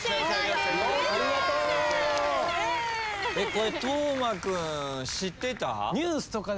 これ當間君知ってた？